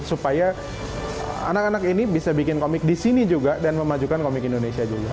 supaya anak anak ini bisa bikin komik di sini juga dan memajukan komik indonesia juga